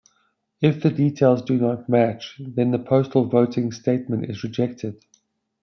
If the details do not match, then the postal voting statement is rejected.